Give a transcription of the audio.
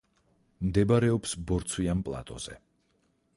მდებარეობს ბორცვიან პლატოზე.